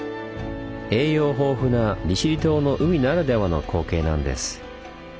栄養豊富な利尻島の海ならではの光景なんです。